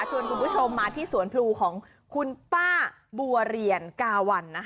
คุณผู้ชมมาที่สวนพลูของคุณป้าบัวเรียนกาวัน